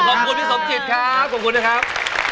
ขอบคุณพี่สมจิตครับขอบคุณนะครับ